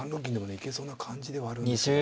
行けそうな感じではあるんですよね。